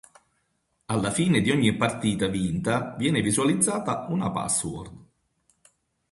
Alla fine di ogni partita vinta viene visualizzata una password.